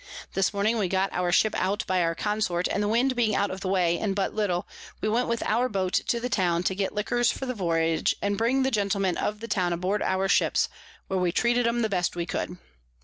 This Morning we got our Ship out by our Consort, and the Wind being out of the way, and but little, we went with our Boat to the Town, to get Liquors for the Voyage, and bring the Gentlemen of the Town aboard our Ships, where we treated 'em the best we could.